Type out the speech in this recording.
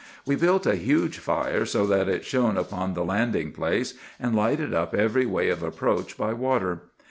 "We built a huge fire so that it shone upon the landing place, and lighted up every way of approach by water.